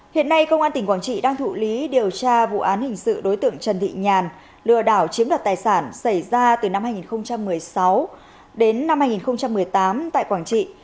hiện nay công an tỉnh quảng trị đang thụ lý điều tra vụ án hình sự đối tượng trần thị nhàn lừa đảo chiếm đoạt tài sản xảy ra từ năm hai nghìn một mươi sáu đến năm hai nghìn một mươi tám tại quảng trị